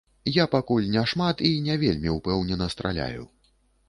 Я пакуль не шмат і не вельмі ўпэўнена страляю.